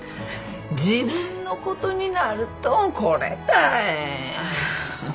自分のことになるとこれたい。